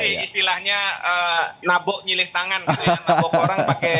kalau ini sih istilahnya nabok nyilis tangan gitu ya